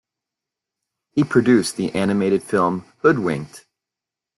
He produced the animated film Hoodwinked!